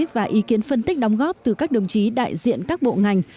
và ý kiến phân tích đóng góp từ các đồng chí đại diện các bộ ngành